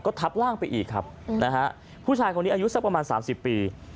ทับร่างไปอีกครับนะฮะผู้ชายคนนี้อายุสักประมาณสามสิบปี